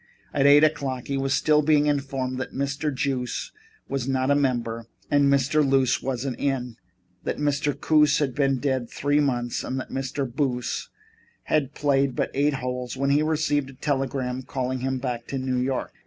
At eight o'clock he was still being informed that Mr. Juice was not a member, that Mr. Luce wasn't in, that Mr. Coos had been dead three months and that Mr. Boos had played but eight holes when he received a telegram calling him back to New York.